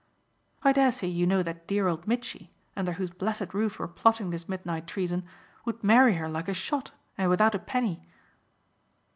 "I dare say you know that dear old Mitchy, under whose blessed roof we're plotting this midnight treason, would marry her like a shot and without a penny."